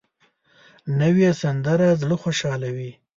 نوې سندره زړه خوشحالوي